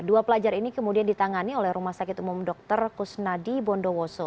dua pelajar ini kemudian ditangani oleh rumah sakit umum dr kusnadi bondowoso